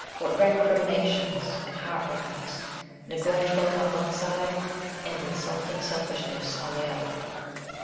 What recriminations and heart burnings, neglect felt on one side and " insulting selfishness " on the other